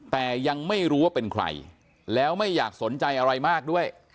แต่ยังไม่รู้ว่าเป็นใครแล้วไม่อยากสนใจอะไรมากด้วย